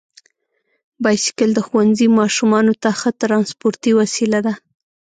بایسکل د ښوونځي ماشومانو ته ښه ترانسپورتي وسیله ده.